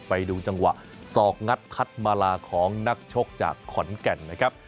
ไปดูจังหวะสอกงัดคัดมาลาของนักชกจากขอนแก่นนะครับ